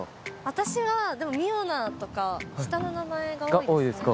私はでも「未央奈」とか下の名前が多いですね。